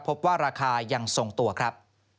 พบว่าราคายังทรงตัวครับ